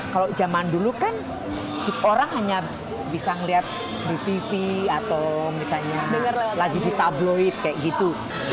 kalau zaman dulu kan orang hanya bisa ngeliat di pipi atau misalnya lagi di tabloid kayak gitu